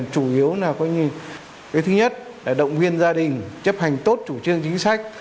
chủ yếu là cái thứ nhất là động viên gia đình chấp hành tốt chủ trương chính sách